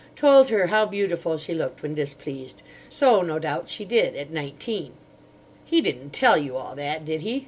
Told her how beautiful she looked when displeased. So, no doubt, she did—at nineteen." "He didn't tell you all that, did he?"